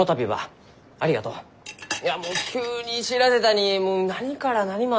いやもう急に知らせたにもう何から何まで。